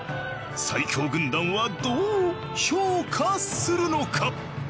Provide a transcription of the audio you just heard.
最強軍団はどう評価するのか？